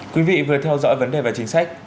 quý vị vừa theo dõi vấn đề về chính sách